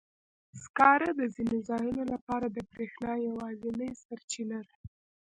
سکاره د ځینو ځایونو لپاره د برېښنا یوازینی سرچینه ده.